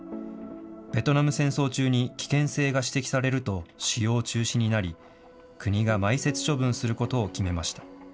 ベトナム戦争中に危険性が指摘されると使用中止になり、国が埋設処分することを決めました。